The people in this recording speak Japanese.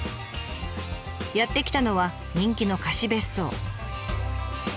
やって来たのは人気の貸別荘。